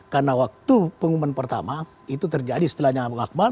karena waktu pengumuman pertama itu terjadi setelahnya abang akmal